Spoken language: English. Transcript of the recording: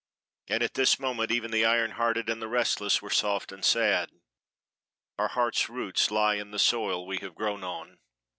And at this moment even the iron hearted and the reckless were soft and sad. Our hearts' roots lie in the soil we have grown on.